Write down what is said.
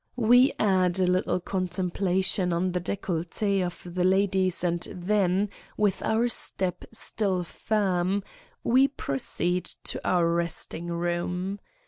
We add a little contemplation on the decollete of the ladies and then, with our step still firm, we proceed to our resting room.